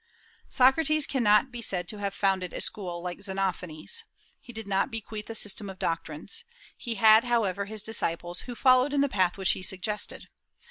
Socrates cannot be said to have founded a school, like Xenophanes. He did not bequeath a system of doctrines. He had however his disciples, who followed in the path which he suggested.